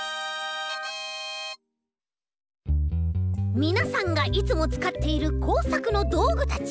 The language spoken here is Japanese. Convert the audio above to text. みなさんがいつもつかっているこうさくのどうぐたち。